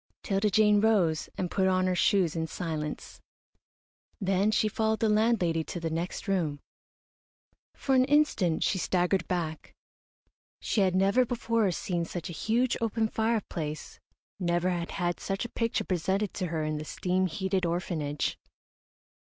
'Tilda Jane rose and put on her shoes in silence. Then she followed the landlady to the next room. For an instant she staggered back. She had never before seen such a huge, open fireplace, never had had such a picture presented to her in the steam heated orphanage.